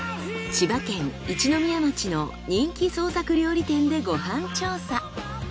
千葉県一宮町の人気創作料理店でご飯調査。